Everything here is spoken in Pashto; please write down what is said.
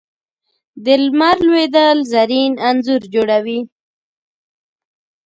د لمر لوېدل زرین انځور جوړوي